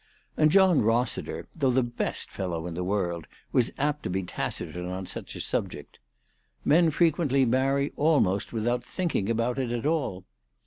And John Rossiter, though the best fellow in the world, was apt to be taciturn on such a subject. Men frequently marry almost without thinking about it at all.